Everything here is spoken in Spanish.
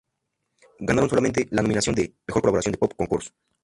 Ganaron solamente la nominación de ""Mejor Colaboración de Pop, con Coros"".